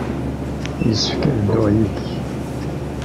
Yessefk ad dduɣ yid-k?